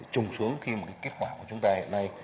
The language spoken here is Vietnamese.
trùng xuống khi mà cái kết quả của chúng ta hiện nay